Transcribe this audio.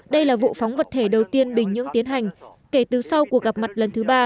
đây là vụ phóng vật thể đầu tiên bình nhưỡng tiến hành kể từ sau cuộc gặp mặt lần thứ ba